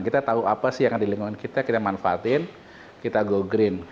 kita tahu apa sih yang ada di lingkungan kita kita manfaatin kita go green